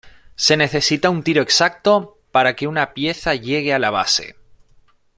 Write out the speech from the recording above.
Se necesita un tiro exacto para que una pieza llegue a la base.